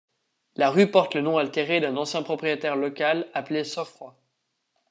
La rue porte le nom altéré d'un ancien propriétaire local appelé Soffroy.